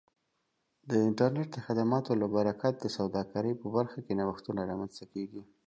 د انټرنیټ د خدماتو له برکت د سوداګرۍ په برخه کې نوښتونه رامنځته کیږي.